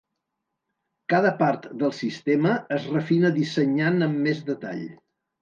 Cada part del sistema es refina dissenyant amb més detall.